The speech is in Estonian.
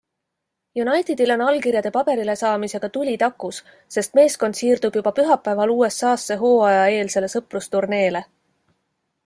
Unitedil on allkirjade paberile saamisega tuli takus, sest meeskond siirdub juba pühapäeval USAsse hooajaeelsele sõprusturneele.